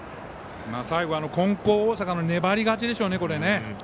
最後、金光大阪の粘り勝ちでしょうね。